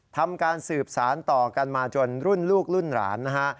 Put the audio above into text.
ทำการสืบสารต่อกันมาจนรุ่นลูกรุ่นหลานนะฮะ